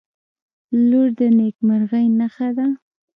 • لور د نیکمرغۍ نښه ده.